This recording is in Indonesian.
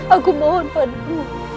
aku mohon padamu